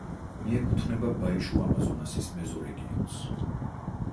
მიეკუთვნება ბაიშუ-ამაზონასის მეზორეგიონს.